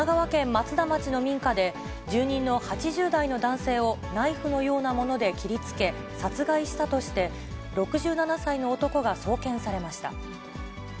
松田町の民家で、住人の８０代の男性をナイフのようなもので切りつけ、殺害したとして、６７歳の男が送検されました。